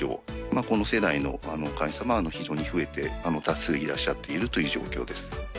この世代の会員様は非常に増えて多数いらっしゃっているという状況です。